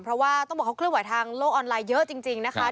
เพราะว่าต้องบอกเขาเคลื่อนไหวทางโลกออนไลน์เยอะจริงนะคะ